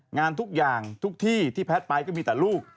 งานทุกอย่างทุกที่ที่แพทย์ไปก็มีแต่ลูก